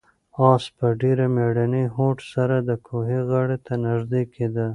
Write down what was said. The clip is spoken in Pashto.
آس په ډېر مېړني هوډ سره د کوهي غاړې ته نږدې کېده.